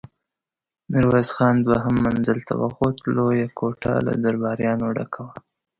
ميرويس خان دوهم منزل ته وخوت، لويه کوټه له درباريانو ډکه وه.